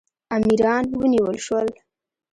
امیران ونیول شول.